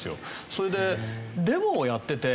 それでデモをやってて。